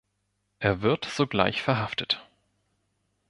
Er wird sogleich verhaftet.